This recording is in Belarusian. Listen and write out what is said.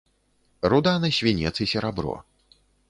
Руда на свінец і серабро.